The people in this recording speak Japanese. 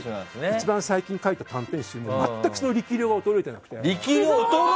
一番、最近描いた短編集でも全く力量が衰えてなくて。